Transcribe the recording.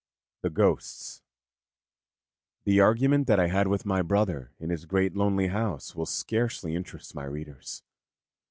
The Ghosts The argument that I had with my brother in his great lonely house will scarcely interest my readers.